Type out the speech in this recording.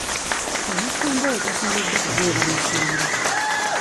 Omusumba oyo tasaanidde kubeera musumba.